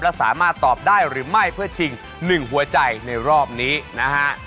และสามารถตอบได้หรือไม่เพื่อชิง๑หัวใจในรอบนี้นะฮะ